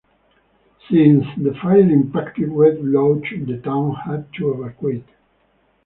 Since the fire Impacted Red Lodge the town had to evacuate.